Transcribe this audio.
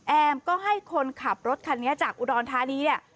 แอมก็ให้คนขับรถคันนี้จากอุดรธานี